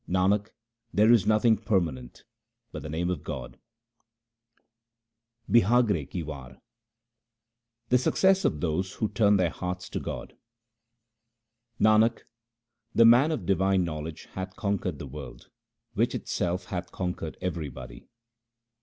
Nanak, there is nothing permanent but the name of God Bihagre ki War The success of those who turn their hearts to God :— Nanak, the man of divine knowledge hath conquered the world which itself hath conquered everybody.